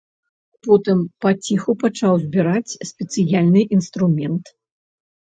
Потым паціху пачаў збіраць спецыяльны інструмент.